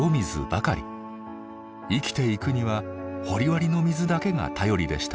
生きていくには掘割の水だけが頼りでした。